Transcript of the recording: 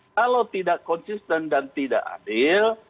kalau tidak konsisten dan tidak adil